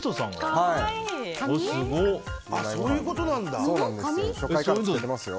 そういうことなんだ。